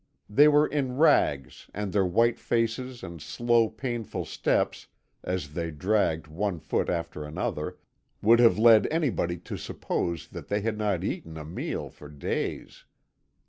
They were in rags, and their white faces and slow, painful steps, as they dragged one foot after another, would have led anybody to suppose that they had not eaten a meal for days.